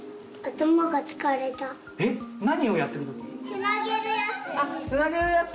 つなげるやつ。